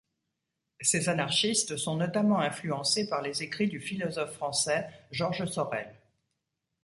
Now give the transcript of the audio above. Ces anarchistes sont notamment influencés par les écrits du philosophe français Georges Sorel.